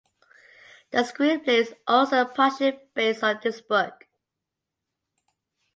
The screenplay is also partially based on this book.